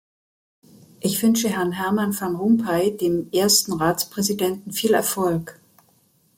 Ich wünsche Herrn Herman Van Rompuy, dem ersten Ratspräsidenten, viel Erfolg.